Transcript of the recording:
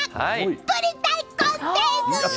ぶり大根です！